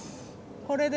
これで？